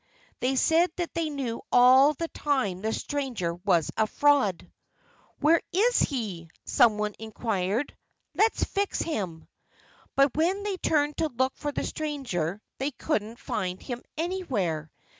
They said that they knew all the time that the stranger was a fraud. "Where is he?" someone inquired. "Let's fix him!" But when they turned to look for the stranger they couldn't find him anywhere.